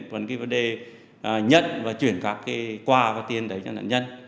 còn cái vấn đề nhận và chuyển các cái quà và tiền đấy cho nạn nhân